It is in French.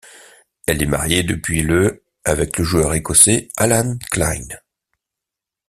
Elle est mariée depuis le avec le joueur écossais Alan Clyne.